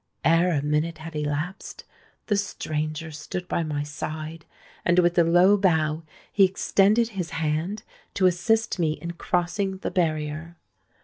Ere a minute had elapsed, the stranger stood by my side; and with a low bow he extended his hand to assist me in crossing the barrier.